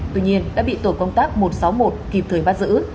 tuy nhiên đã bị tổ công tác một trăm sáu mươi một kịp thời bắt giữ